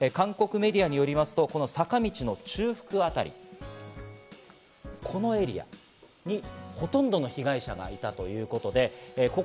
韓国メディアによりますと、この坂道の中腹あたり、このエリアにほとんどの被害者がいたということです。